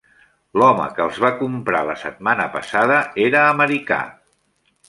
L'home que els va comprar la setmana passada era americà.